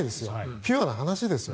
ピュアな話ですよ。